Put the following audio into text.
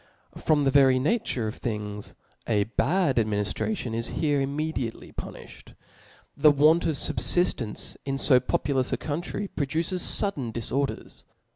From the very nature of things, a bad admini Uration is ;here immediately punijhed. The want of fubfiftence in fo populous a country, produces fudden diforders.